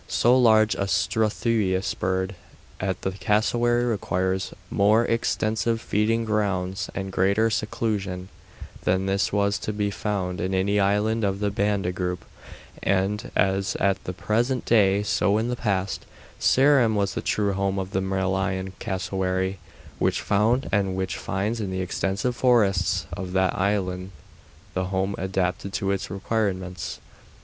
So large a struthious bird as the cassowary requires more extensive feeding grounds and greater seclusion than was to be found in any island of the Banda Group, and, as at the present day so in the past, Ceram was the true home of the Malayan cassowary, which found and which finds in the extensive forests of that island the home adapted to its requirements.